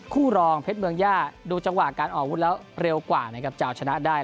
รองเพชรเมืองย่าดูจังหวะการออกอาวุธแล้วเร็วกว่านะครับจะเอาชนะได้